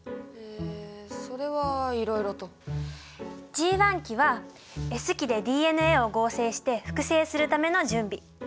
Ｇ期はＳ期でＤＮＡを合成して複製するための準備。